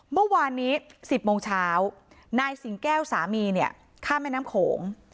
เมื่อวานนี้๑๐โมงเช้านายสิงแก้วสามีเนี่ยข้ามแม่น้ำโขง